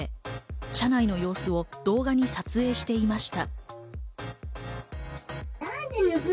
車内の様子を動画で撮影していました。